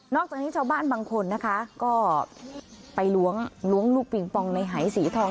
อกจากนี้ชาวบ้านบางคนนะคะก็ไปล้วงลูกปิงปองในหายสีทอง